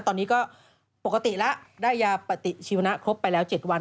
ตอนนี้ก็ปกติแล้วได้ยาปฏิชีวนะครบไปแล้ว๗วัน